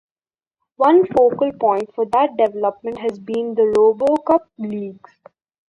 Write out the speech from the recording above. One focal point for that development has been the Robocup Leagues.